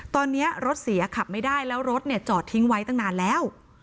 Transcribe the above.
ตอนนี้รถเสียขับไม่ได้แล้วรถจอดทิ้งไว้ตั้งนานแล้ว